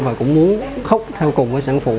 và cũng muốn khóc theo cùng với sáng phụ